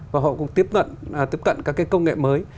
và họ cũng tiếp cận các cái công nghệ mới